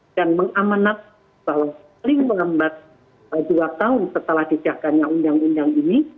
dan mengamanat bahwa paling mengembat dua tahun setelah dijaganya undang undang ini